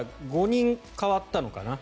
５人変わったのかな。